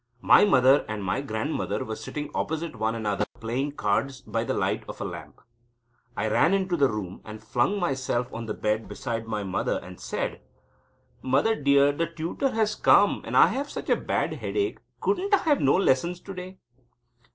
My mother and my grandmother were sitting opposite one another playing cards by the light of a lamp. I ran into the room, and flung myself on the bed beside my mother, and said: "Mother dear, the tutor has come, and I have such a bad headache; couldn't I have no lessons today?"